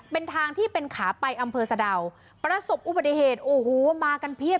เป็นทางที่เป็นขาไปอำเภอสะดาวประสบอุบัติเหตุโอ้โหมากันเพียบ